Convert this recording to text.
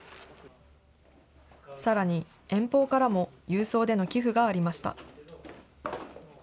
さらに遠方からも、郵送での寄付がありました。